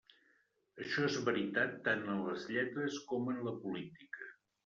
Això és veritat tant en les lletres com en la política.